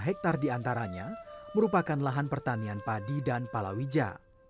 dua ratus dua puluh lima hektare diantaranya merupakan lahan pertanian padi dan palawija